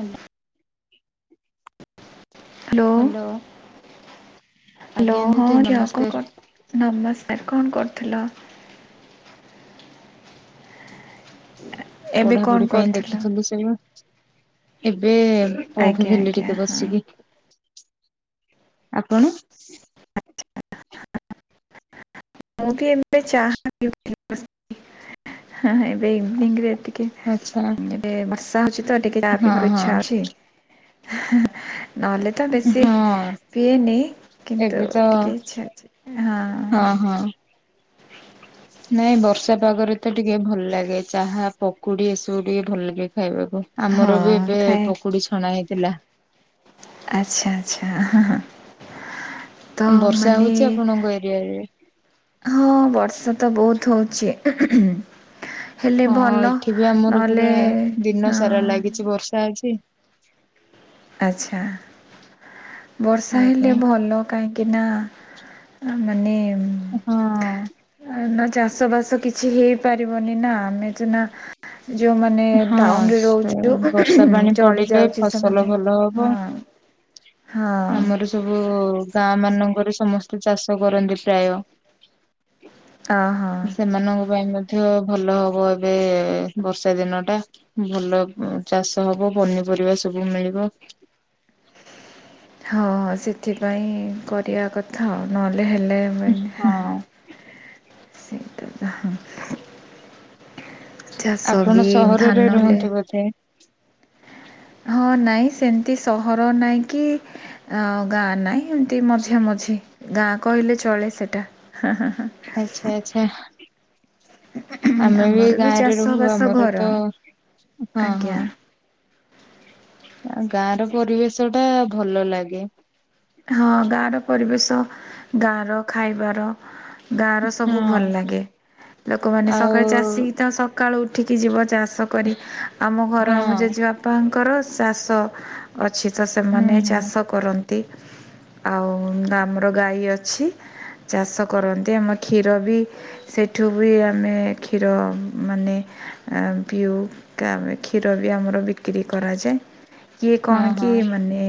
Hello. Hello. Hello ଆଜ୍ଞା ହଁ ଦିଦି ଝିଅ କଁ ନମସ୍କାର କ ନମସ୍କାର କଣ କରୁଥିଲ? ଆ [inaudible] ପଢାପଢି ପାଇଁ ଦେଖିଥିଲି ସବୁ ଏବେ ଆଜ୍ଞା ପଢୁଥିଲି ଆଜ୍ଞା ଟିକେ ହଁ ବସିକି ଆପଣ? ମୁଁ ବି ଏମ ଚାହା [unintelligible] ହେଁ ହେଁ ଏବେ ଇଭିନିଂ ରେ ଟିକେ ଆଚ୍ଛା ବର୍ଷା ହଉଚି ତ ଟିକେ ଚା ହଁ ପିଇବାକୁ ଇଚ୍ଛା ହଁ ଅଛି ନହେଲେ ତ ବେଶୀ ହଁ ପିଏନି କିନ୍ତୁ ଏବେ ତ ଟିକେ ଇଚ୍ଛା ଅଛି ହଁ। ହଁ ହଁ। ନାଇଁ ବର୍ଷା ପାଗରେ ତ ଟିକେ ଭଲ୍ ଲାଗେ ଚାହା ପକୁଡି ଏସବୁ ଟିକେ ଭଲ୍ ଲାଗେ ଖାଇବାକୁ। ହଁ ଆମର ବି ଏବେ ଖାଏ ପକୁଡି ଛଣା ହେଇଥିଲା। ଆଚ୍ଛା ଆଚ୍ଛା ତ ବର୍ଷା ମାନେ ହଉଛି ଆପଣଙ୍କ ଏରିଆରେ ହଁ ବର୍ଷା ତ ବହୁତ୍ ହଉଛି। ହେଲେ ହଁ ଭଲ ଏଠି ବି ଆମର ନହେଲେ ପୁରା ଦିନ ସାରା ହଁ ଲାଗିଚି ବର୍ଷା ଅଜି। ଆଚ୍ଛା ବର୍ଷା ହେଲେ ଆଜ୍ଞା ଭଲ। କାହିଁକିନା ମାନେ ହଁ। ନ ଚାଷ ବାସ କିଛି ହେଇପାରିବନି ନା ଆମେ ସିନା ଯୋଉମାନେ ଟାଉନ୍ ହଁ ରେ ସେ ରହୁଚୁ ବର୍ଷା ପାଣି ଚଳି ପଡିଲେ ଯାଉଚି ଫସଲ ସେମାନେ ଭଲ ହବ ହଁ ହଁ ଆମର ସବୁ ଗାଁ ମାନଙ୍କରେ ସମସ୍ତେ ଚାଷ କରନ୍ତି ପ୍ରାୟ। ଅ ହଁ। ସେମାନଙ୍କ ପାଇଁ ମଧ୍ୟ ଭଲ ହବ ଏବେ ବର୍ଷ ସେ ଦିନ ଟା ଭଲ ଚାଷ ହବ ପନିପରିବା ସବୁ ମିଳିବ। ହଁ ସେଥିପାଇଁ କରିବା କଥା ଆଉ ନହେଲେ ହେଲେ ମାନେ [unintelligible] [unintelligible] ଚାଷ ଆପଣ ବି ସହରରେ ଧାନ ହେଲେ ରୁହନ୍ତି ବୋଧେ? ହଁ ନାଇଁ ସେମିତି ସହର ନହିଁ କି ଅଁ ଗାଁ ନାଇଁ ଏମିତି ମଝିଆ ମଝି ଗାଁ କହିଲେ ଚଳେ ସେଟା। ଆଛା ଆଛା। ଆମେ ବି ଆମର ଗାଁରେ ରହୁ ଚାଷବାସ ଆମର ଘର। ତ ହଁ ହଁ। ଆଜ୍ଞା ଆଉ ଗାଁ ର ପରିବେଶ ଟା ଭଲ ଲାଗେ। ହଁ ଗାଁ ର ପରିବେଶ ଗାଁ ର ଖାଇବାର ଗାଁ ର ସବୁ ହଁ ଭଲ ଲାଗେ ଲୋକମାନେ ଆଉ ସକାଳେ ଚାଷୀ ତ ସ କାଳୁ ଉଠିକି ଯିବ ଚାଷ କରି ଆମ ଘର ଆମ ହଁ ଜେଜେବାପାଙ୍କର ଚାଷ ଅଛି ତ ହୁଁ ସେମାନେ ହୁଁ ଚାଷ କରନ୍ତି। ଆଉ ଆମର ଗାଈ ଅଛି। ଚାଷ କରନ୍ତି ଆମ କ୍ଷୀର ବି ସେଠୁ ବି ଆ ଆମେ କ୍ଷୀର ଏଁ ମାନେ ପିଉ। କା ଆମେ କ୍ଷୀର ବି ଆମର ବିକ୍ରି କରାଯାଏ କିଏ ହଁ କଣ ହଁ କି ମାନେ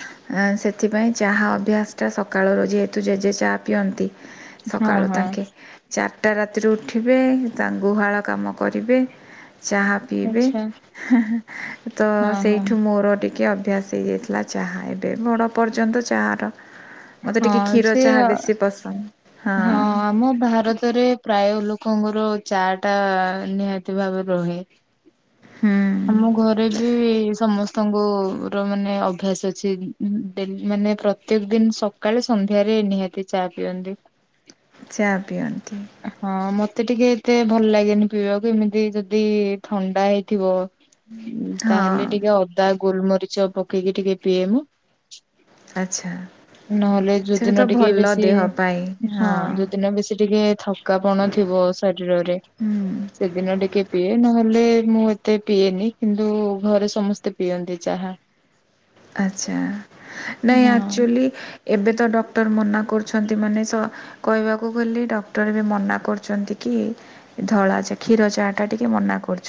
ହ ସେଥିପାଇଁ ଚାହା ଅଭ୍ୟାସଟା ସକାଳରୁ ଯେହେତୁ ଜେଜେ ଚାହା ପିଅନ୍ତି ହଁ ସକାଳୁ ହଁ। ତାଙ୍କେ ଚାରିଟା ରାତିରୁ ଉଠିବେ ତାଙ୍କ ଗୁହାଳ କାମ କରିବେ ଚାହା ପିଇବେ ଆଚ୍ଛା ତ ହଁ ହଁ ସେଇଠୁ ମୋର ଟିକେ ଅଭ୍ୟାସ ହେଇଯାଇଥିଲା। ଚାହା ଏବେ ମୋଡ ପର୍ଯ୍ୟନ୍ତ ଚା ର ମତେ ଟିକେ ହଁ କ୍ଷୀର ସେ ଚାହା ବେଶୀ ପସନ୍ଦ। ହଁ ଆମ ଭାରତରେ ପ୍ରାୟ ଲୋକଙ୍କର ଚା ଟା ନିହାତି ଭାବରେ ରହେ। ଆମ ହୁଁ ଘରେ ବି ସମସ୍ତ ସ୍ତଙ୍କୁ ର ମାନେ ଅଭ୍ୟାସ ଅଛି ଡେ ମାନେ ପ୍ରତେକ ଦିନ ସ ସକାଳେ ସନ୍ଧ୍ୟାରେ ନିହାତି ଚା ପିଅନ୍ତି। ଚା ପିଅନ୍ତି। ହଁ ମତେ ଟିକେ ଏତେ ଭଲ ଲାଗେନି ପିଇବାକୁ ଏମିତି ଯଦି ଥଣ୍ଡା ହେଇଥିବ। ତାହେଲେ ହଁ ଟିକେ ଅଦା ଗୋଲମରିଚ ପକେଇକି ଟିକେ ପିଏ ମୁଁ। ଆଚ୍ଛା ନହେଲେ ଯୋଉ ସେଇଟା ତ ଦିନ ଟିକେ ଭଲ ବେଶୀ ଦେହ ପାଇଁ ହଁ ଯୋଉ ଦିନ ବେଶୀ ଟିକେ ଥକାପଣ ଥିବ ଶରୀରରେ। ହୁଁ ସେଦିନ ଟିକେ ପିଏ ନହେଲେ ମୁଁ ଏତେ ପିଏନି କିନ୍ତୁ ଘରେ ସମସ୍ତେ ପିଅନ୍ତି ଚାହା। [inaudible] ଆଚ୍ଛା ନାଇଁ ହଁ ଆକ୍ଚୁଆଲି ଏବେ ତ ଡକ୍ଟର ମନା କରୁଛନ୍ତି ମାନେ ସ କଇବାକୁ ଗଲେ ଡକ୍ଟର ଏବେ ମନା କରୁଚନ୍ତି କି ଧଳା ଚା କ୍ଷୀର ଚା ଟା ଟିକେ ମନା କରୁ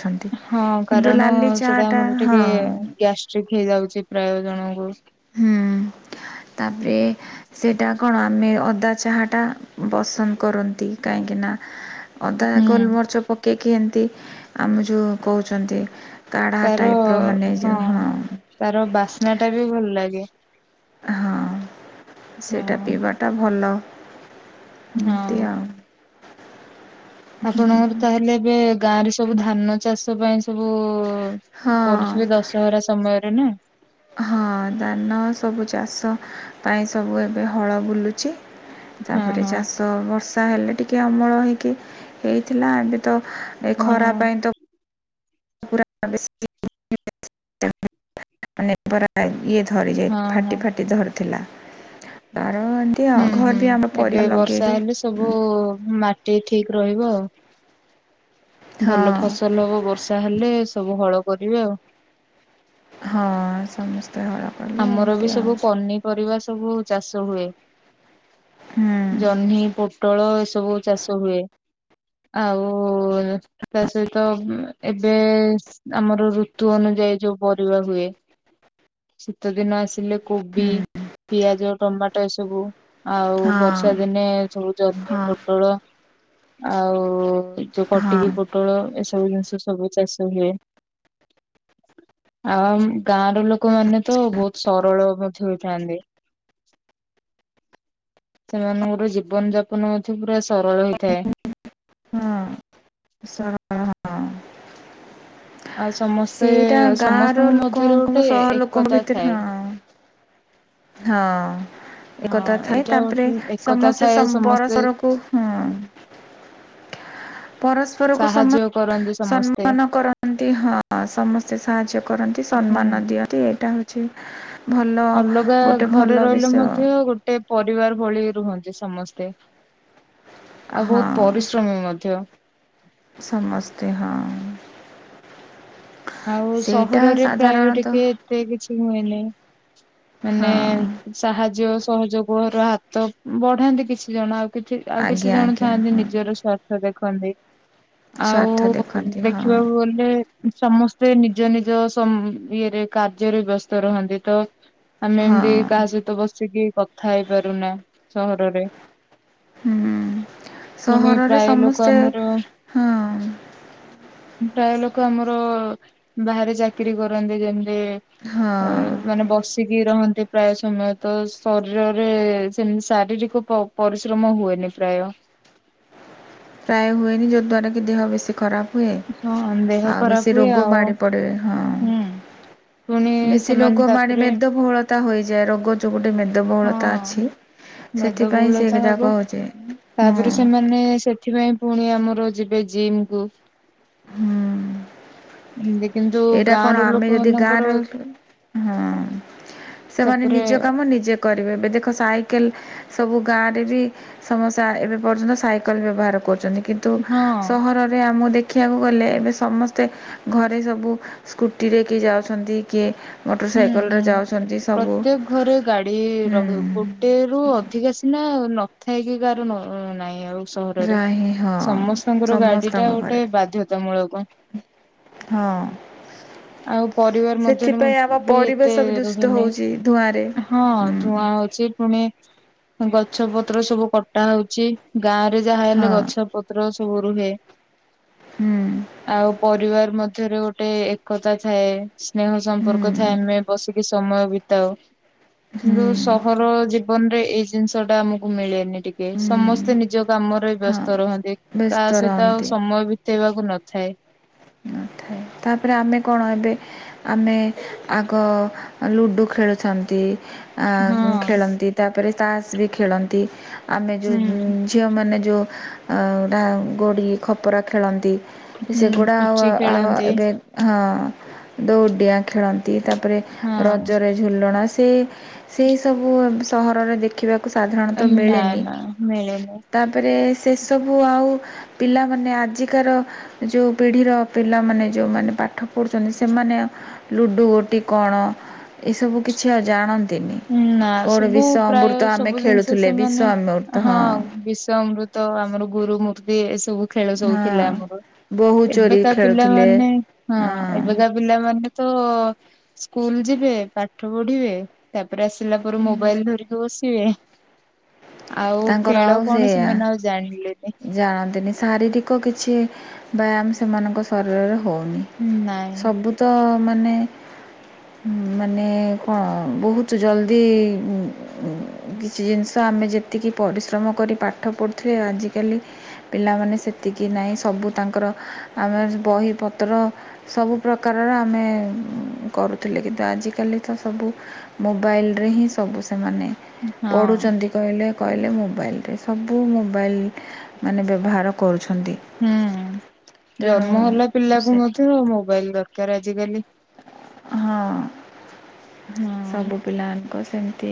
ହଁ କାରଣ ସେଟା ଆମର ଟିକେ ହଁ ଗ୍ୟାସ ଷ୍ଟିକ ହେଇଯାଉଛି ପ୍ରାୟ ଜଣଙ୍କୁ। ହୁଁ ତାପରେ ସେଇଟା କଣ ଆମେ ଅଦା ଚାହାଟା ବସନ୍ଦ କରନ୍ତି କାହିଁକିନା ଅଦା ହୁଁ ଗୋଲମରିଚ ପକେଇକି ଏମିତି ଆମେ ଯୋଉ କହୁଛନ୍ତି। କାଢ଼ା ତାର ଟାଇପ୍ ର ମାନେ ଯେଉଁ ହଁ। ତାର ବାସ୍ନା ଟା ବି ଭଲ ଲାଗେ। ହଁ ହଁ ସେଇଟା ପିଇବାଟା ଭଲ ଏମିତି ହଁ। ଆଉ ଆପଣଙ୍କର ତାହେଲେ ଏବେ ଗାଁ ରେ ସବୁ ଧାନ ଚାଷ ପାଇଁ ସବୁ ହଁ କରୁଥିବେ ଦଶହରା ସମୟରେ ନା। ହଁ ଧାନ ସବୁ ଚାଷ ପାଇଁ ସବୁ ଏବେ ହଳ ବୁଲୁଚି। ହଁ ତାପରେ ହଁ ଚାଷ ବର୍ଷା ହେଲେ ଟିକେ ଅମଳ ହେଇକି ହେଇଥିଲା ଏବେ ତ ଏ ହଁ ଖରା ପାଇଁ ତ [unintelligible] ଧରିଯାଇ ହଁ ଫାଟି ହଁ। ଫାଟି ଧରିଥିଲା ତାର ଆଉ ହୁଁ ଘର ହୁଁ ବି ଆମ ଏବେ ପରିବା ଲଗେଇଛୁ ବର୍ଷା ହେଲେ ସବୁ ଉଁ, ମାଟି ଠିକ ରହିବ ଆଉ। ହଁ ଭଲ ଫସଲ ହବ ବର୍ଷା ହେଲେ ସବୁ ହଳ କରିବେ ଆଉ। ହଁ ସମସ୍ତେ ହଳ କଲେ ଆମର ଏମିତି ବି ଆଉ ସବୁ ପନିପରିବା ସବୁ ଚାଷ ହୁଏ। ହୁଁ। ଜହ୍ନି ପୋଟଳ ଏସବୁ ଚାଷ ହୁଏ ଆଉ ଏ ତା ସହିତ ଏବେ ଆମର ଋତୁ ଅନୁଯାୟୀ ଯୋଉ ପରିବା ହୁଏ। ଶୀତ ଦିନ ଆସିଲେ କୋବି ହୁଁ ପିଆଜ ଟମାଟୋ ଏ ସବୁ ଆଉ ହଁ ବର୍ଷା ଦିନେ ସବୁ ଜହ୍ନି, ପୋଟଳ ଆଉ ଯୋଉ ହଁ କଟିକି ପୋଟଳ ଏସବୁ ଜିନିଷ ସବୁ ଚାଷ ହୁଏ। ଆଉ ଆମ୍ ଗାଁ ର ଲୋକ୍ ଲୋକମାନେ ତ ବହୁତ ସରଳ ମଧ୍ୟ ହୋଇଥାନ୍ତି। ସେମାନଙ୍କର ଜୀବନ ଯାପନ ମଧ୍ୟ ପୁରା ସରଳ ହୋଇଥାଏ। ହଁ। ସରଳ। ହଁ ଆଉ ସମସ୍ତେ ସେଇଟା ଗାଁର ସମସ୍ତଙ୍କ ମଧ୍ୟରେ ଲୋକଙ୍କ ଗୋଟେ ସହର ଲୋକଙ୍କ ଏକତା ଭିତରେ ଥାଏ। ହଁ ହଁ ହଁ ଏକଥା ଥାଏ ଏଇଟା ତାପରେ ଗୋଟେ ଏକତା ସମସ୍ତେ ଥାଏ ସମ ସମସ୍ତେ ପରସରକୁ ହଁ ପରସ୍ପରକୁ ସମତ୍ ସାହାଯ୍ୟ କରନ୍ତି ସମସ୍ତେ ସମ୍ମାନ କରନ୍ତି ହଁ ସମସ୍ତ ସ୍ତେ ସାହାଯ୍ୟ କରନ୍ତି ହୁଁ। ସମ୍ମାନ ଦିଅନ୍ତି ଏଇଟା ହଉଛି ଭଲ ଅଲଗା ଗୋଟେ ଘରେ ଭଲ ରହିଲେ ବିଷୟ। ମଧ୍ୟ ଗୋଟେ ପରିବାର ଭଳି ରୁହନ୍ତି ସମସ୍ତେ ଆଉ ହଁ ବହୁତ ପରି ଶ୍ରମ ମଧ୍ୟ ସମସ୍ତେ ହଁ। ଆଉ ସେଇଟା ସହରରେ ପ୍ରାୟ ସାଧାରଣତଃ ଟିକେ ଏତେ କିଛି ହୁଏନି ମାନେ ହଁ ସାହାଯ୍ୟ ସହଯୋଗର ହାତ ବଢାନ୍ତି କିଛି ଜଣ ଆଉ କିଛି ଆଉ କିଛି ଆଜ୍ଞା ଜଣ ଆଜ୍ଞା ଥାଆନ୍ତି ହଁ ନିଜର ସ୍ୱାର୍ଥ ଦେଖନ୍ତି। ଆଉ ସ୍ୱାର୍ଥ ଦେଖନ୍ତି ହଁ ଦେଖିବାକୁ ଗଲେ ସମସ୍ତେ ନିଜ ନିଜ ଇଏରେ କାର୍ଯ୍ୟରେ ବ୍ୟସ୍ତ ରହନ୍ତି, ତ ଆମେ ହଁ ଏମତି କାହା ସହିତ ବସିକି କଥା ହେଇପାରୁନା ସହରରେ ହୁଁ, ପୁଣି ସହରରେ ପ୍ରାୟ ଲୋକ ସମସ୍ତେ, ଆମର ହଁ ପ୍ରାୟ ଲୋକ ଆମର ବାହାରେ ଚାକିରୀ କରନ୍ତି, ଯେମିତି ହଁ ଅ ମାନେ ବସ୍ ବସିକି ରହନ୍ତି ପ୍ରାୟ ସମୟ ତ, ଶରୀରରେ ସେମତି ଶାରୀରିକ ପ ପରିଶ୍ରମ ହୁଏନି ପ୍ରାୟ ପ୍ରାୟ ହୁଏନି ଯଦ୍ଵାରା କିି ଦେହ ବେଶୀ ଖରାପ୍ ହୁଏ, ଦେହ ଆଉ ଖରାପ ବେଶୀ ହୁଏ ରୋଗ ଆଉ ମାଡ଼ି ପଡ଼େ, ହୁଁ ପୁଣି ହଁ ବେଶୀ ସେମାନେ ରୋଗ ମାଡେ, ତାପରେ ମେଦବହୁଳତା ହେଇଯାଏ, ରୋଗ ଯୋ ଗୋଟେ ମେ ହଁ ମେଦବହୁଳତା ସେଗୁଡ଼ାକ ହବ, ହଉଛି ହଁ ତାପରେ ସେମାନେ ସେ ଏଥିପାଇଁ ପୁଣି ଆମର ଯିବେ ଜିମ୍ କୁ ହୁଁ ଏମତି କିନ୍ତୁ ଏଇଟା ଗାଁ କଣ ର ଲୋକ ଆମେ ଯଦି ଗାଁ ମାନଙ୍କର ରେ ରହୁଥିଲୁ, ହଁ ସେମାନେ ତାପରେ ନିଜ କାମ ନିଜେ କରିବେ, ଏବେ ଦେଖ ସାଇକେଲ୍ ସବୁ ଗାଁ ରେ ବି ସମସା ଏବେ ପର୍ଯ୍ୟନ୍ତ ସାଇକେଲ ବ୍ୟବହାର କରୁଛନ୍ତି। କିନ୍ତୁ ହଁ ସହରରେ ଆମକୁ ଦେଖିବାକୁ ଗଲେ, ଏବେ ସମସ୍ତେ ଘରେ ସବୁ ସ୍କୁଟି ରେ କିଏ ଯାଉଛନ୍ତି, କିଏ ମୋଟର ହୁଁ ସାଇକେଲରେ ହୁଁ, ଯାଉଛନ୍ତି ସବୁ ପ୍ରତ୍ୟେକ ଘରେ ଗାଡି ରହୁ, ହୁଁ। ଗୋଟେ ରୁ ଅଧିକା ସି ନା, ନଥାଇକି କାହାର ନା ନାହିଁ ଆଉ ସହରରେ, ରା ହିଁ ହଁ ସମସ୍ତଙ୍କର ଗାଡି ଟା ସମସ୍ତଙ୍କ ଘରେ ଗୋଟେ ବାଧ୍ୟତାମୂଳକ। ହଁ। ଆଉ ପରିବାର ମଧ୍ୟରେ ମୁଁ ସେଥିପାଇଁ ଆମ ବି ଏତେ ପରିବେଶ ବି ଦୂଷିତ ରୁହେନେଇଁ, ହଉଛି ଧୂଆଁରେ। ହଁ ହୁଁ ଧୂଆଁ ହଉଚି ପୁଣି, ଗଛ ପତ୍ର ସବୁ କଟା ହଉଚି, ଗାଁ ରେ ଯାହା ହେଲେ ହଁ ଗଛ ପତ୍ ପତ୍ର ସବୁ ରୁହେ। ହୁଁ। ଆଉ ପରିବାର ମଧ୍ୟରେ ଗୋଟେ ଏକତା ଥାଏ, ସ୍ନେହ ସମ୍ପର୍କ ଥାଏ, ହୁଁ ଆମେ ବସିକି ସ ସମୟ ବିତାଉ, କିନ୍ତୁ ହୁଁ। ସ ହର ଜୀବନ ରେ ଏଇ ଜିନିଷ ଟା ଆମକୁ ମିଳେନି ଟିକ୍ ହୁଁ ସମସ୍ତେ ନିଜ କାମରେ ହଁ ବ୍ୟସ୍ତ ରୁହନ୍ତି। କା ବ୍ୟସ୍ତ ସହିତ ଆଉ ରହନ୍ତି। ସମୟ ବି ବିତେଇବାକୁ ନଥାଏ। ନଥାଏ। ତାପରେ ଆମେ କଣ ଏବେ ଆମେ ଆଗ ଲୁଡ଼ୁ ଖେଳୁଥାନ୍ତି। ହଁ ଖେଳନ୍ତି, ତାପରେ ତାସ୍ ବି ଖେଳନ୍ତି। ଆମେ ହୁଁ ଯେଉଁ ଝିଅମାନେ ଯୋଉରା ଗୋଡ଼ି ଖପରା ଖେଳନ୍ତି। ହୁଁ ଗୁଡ଼ା ଆଉ, ପୁଚି ଆଉ ଖେଳନ୍ତି ଏବେ ହଁ, ଦଉଡ଼ିଆଁ ଖେଳନ୍ତି, ତାପରେ ହଁ ରଜରେ ଝୁଲଣା, ସେ ସେ ସେଇ ସବୁ ସହରରେ ଦେଖିବାକୁ ସାଧାରଣତଃ ନା ମିଳେନି। ନା ମିଳେନି ତାପରେ ସେସବୁ ଆଉ ପିଲାମାନେ, ଆଜିକାର ଯୋଉ ପିଢ଼ିର ପିଲାମାନେ ଯେଉଁମାନେ ପାଠ ପଢ଼ୁଛନ୍ତି, ସେମାନେ ଲୁଡ଼ୁ ଗୋଟି କଣ ଏ ସବୁ କିଛି ଆଉ ଜାଣନ୍ ନା ସବୁ ପ୍ରାୟ ଆମେ ସବୁ ଜିନିଷ ଖେଳୁଥିଲେ ବିଷ ସେମାନେ ଅମୃତ ହଁ ବିଷ, ଅମୃତ୍ ତ ଆମର ଗୁରୁ ମୂର୍ତ୍ତି ଏ ସବୁ ଖେଳ ସବୁ ହଁ ଥିଲା ଆମର। ବୋହୂ ଚୋରି ଏବେକା ଖେଳୁଥିଲେ ପିଲାମାନେ ହଁ ଏବେକା ପିଲାମାନେ ତ ସ୍କୁଲ ଯିବେ, ପାଠ ପଢିବେ ତାପରେ ଆସିଲା ପରେ ମୋବାଇଲ୍ ଧରିକି ବସିବେ। ଆଉ ତାଙ୍କର ଖେଳ ଆଉ କଣ ସେଇଆ ସେମାନେ ଆଉ ଜାଣିଲେନି। ଜାଣନ୍ତିନି। ଶାରୀରିକ କିଛି ବ୍ୟାୟାମ୍ ସେମାନଙ୍କ ଶରୀରରେ ହଉନି। ନାଇଁ ସବୁ ତ ମାନେ ମାନେ କଣ ବହୁତୁ ଜଲ୍ଦି କିଛି ଜିନିଷ ଆମେ ଯେତିକି ପରିଶ୍ରମ କରି ପାଠ ପଢ଼ୁଥିଲେ। ଆଜି କାଲି ପିଲାମାନେ ସେତିକି ନାହିଁ। ସବୁ ତାଙ୍କର ଆମେ ବହି ପତ୍ର ସବୁ ପ୍ରକାରର ଆମେ କରୁଥିଲେ। କିନ୍ତୁ ଆଜିକାଲି ତ ସବୁ ମୋବାଇଲି ରେ ହିଁ ସବୁ ସେମାନେ ହଁ ପଡୁଚନ୍ତି କହିଲେ କହିଲେ ମୋବାଇଲରେ ସବୁ ମୋବାଇଲ୍। ମାନେ ବ୍ୟବହାର କରୁଛନ୍ତି। ହୁଁ, ତେଣୁ ଜନ୍ମ ହେଲା ପିଲାକୁ ସେ ମଧ୍ୟ ମୋବାଇଲ ଦରକାର ଆଜିକାଲି ହଁ। [unintelligible] ସବୁ ପିଲାଙ୍କ ସେମିତି।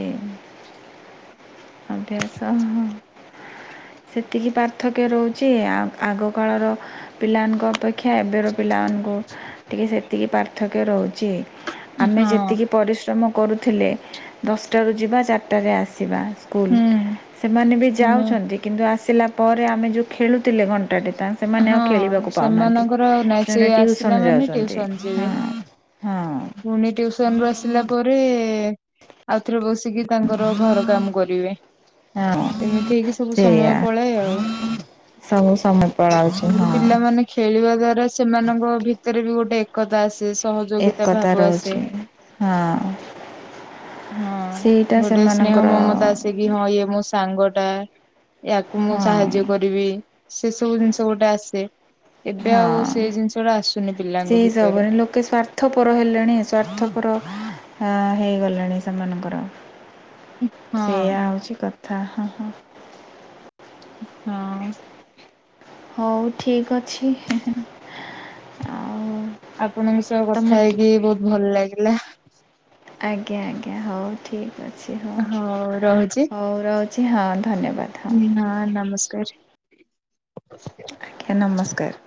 ଅଭ୍ୟାସ ହ। ସେତିକି ପାର୍ଥକ୍ୟ ରହୁଚି। ଆ ଆଗ କାଳର ପିଲାନ୍ ଙ୍କ ଅପେକ୍ଷା ଏବେ ର ପିଲାମାନଙ୍କୁ ଟିକେ ସେତିକି ପାର୍ଥକ୍ୟ ରହୁଚି। ଆମେ ହଁ ଯେତିକି ପରିଶ୍ରମ କରୁଥିଲେ। ଦଶଟାରୁ ଯିବା ଚାରିଟାରେ ଆସିବା ସ୍କୁଲ, ହୁଁ ସେମାନେ ବି ଶୁଣ ଯାଉଚନ୍ତି। କିନ୍ତୁ ଆସିଲା ପରେ ଆମେ ଯୋଉ ଖେଳୁଥିଲେ ଘଣ୍ଟାଟେ ତାଙ୍କ ସେମାନେ ହଁ ଆଉ ଖେଳିବାକୁ ପାଉନାହାନ୍ତି। ସେମାନଙ୍କର ନାଇଁ ସେମାନେ ସିଏ ଆସିଲା ଟିଉସନ୍ ମାନେ ଯାଉଚନ୍ତି। ଟିଉସନ ଯିବେ ହଁ ହଁ। ପୁଣି ଟିଉସନ୍ ରୁ ଆସିଲା ପରେ ଆଉଥରେ ବସିକି ତାଙ୍କର ଘର କାମ କରିବେ। ହଁ ଏମିତି ହେଇକି ସବୁ ସେଇଆ ସମୟ ପଳାଏ ଆଉ। ସବୁ [unintelligible] ଆଗୁରୁ ହଁ ପିଲାମାନେ ଖେଳିବା ଦ୍ଵାରା ସେମାନଙ୍କ ଭିତେରେ ବି ଗୋଟେ ଏକତା ଆସେ। ସହଯୋଗିତା ଏକତା ଭାବ ଆସେ। ରହୁଛି ହଁ ହଁ ସେଇଟା ଗୋଟେ ସ୍ନେହ ସେମାନଙ୍କର ମମତା ଆସେ। କି ହଁ ଇଏ ମୋ ସାଙ୍ଗ ଟା, ୟାକୁ ମୁଁ ହଁ ସାହାଯ୍ୟ କରିବି, ସେ ସବୁ ଜିନିଷ ଯୋଉଟା ଆସେ। ଏବେ ଆଉ ହଁ ସେ ଜିନିଷଟା ଆସୁନି ପିଲାଙ୍କ ସେଇ ଭିତରେ। ହିସାବରେ ଲୋକେ ସ୍ଵାର୍ଥପର ହେଲେଣି ସ୍ଵାର୍ଥପର ହେଇଗଲାଣି ସେମାନଙ୍କର। ହଁ ସେଇୟା ହଉଚି କଥା। ହୁଁ ହୁଁ। ହଁ। ହଉ ଠିକ୍ ଅଛି। ଆଉ ଆପଣଙ୍କ ସହ ତମ କଥା ହେଇକି ବୋହୁତ୍ ଭଲ ଲାଗିଲା। ଆଜ୍ଞା ଆଜ୍ଞା ହଉ ଠିକ୍ ଅଛି ହଉ। ହଉ ରହୁଚି, ହଉ ଧନ୍ୟବାଦ, ହଁ। ହଁ ନମସ୍କାର। ଆଜ୍ଞା ନମସ୍କାର।